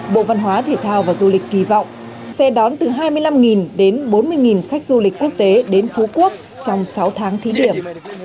bộ văn hóa thể thao và du lịch kỳ vọng sẽ đón từ hai mươi năm đến bốn mươi khách du lịch quốc tế đến phú quốc trong sáu tháng thí điểm